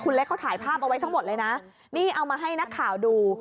เล็กเขาถ่ายภาพเอาไว้ทั้งหมดเลยนะนี่เอามาให้นักข่าวดู